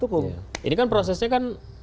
hukum ini kan prosesnya kan